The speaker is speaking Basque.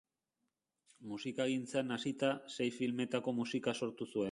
Musikagintzan hasita, sei filmetako musika sortu zuen.